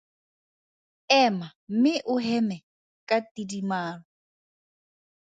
Ema mme o heme ka tidimalo.